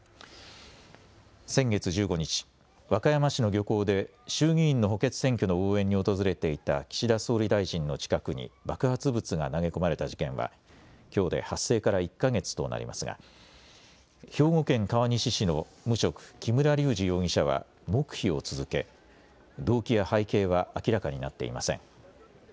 先月１５日、和歌山市の漁港で衆議院の補欠選挙の応援に訪れていた岸田総理大臣の近くに爆発物が投げ込まれた事件はきょうで発生から１か月となりますが兵庫県川西市の無職、木村隆二容疑者は黙秘を続け動機や背景は明らかになっていません。